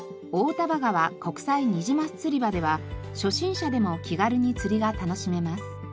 丹波川国際虹ます釣場では初心者でも気軽に釣りが楽しめます。